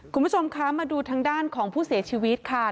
คุณผู้ชมคะมาดูทางด้านของผู้เสียชีวิตค่ะ